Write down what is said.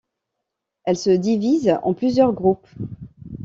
Elle se divise en plusieurs groupes.